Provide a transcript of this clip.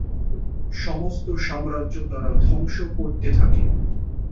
সমস্ত সাম্রাজ্য তারা ধ্বংস করতে থাকে।